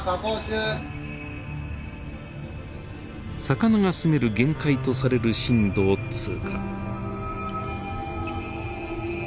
魚が住める限界とされる深度を通過。